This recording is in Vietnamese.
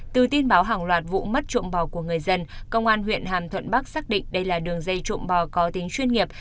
từ tin báo hàng loạt vụ mất trộm bò của người dân công an huyện hàm thuận bắc xác định đây là đường dây chuộng bò có tính chuyên nghiệp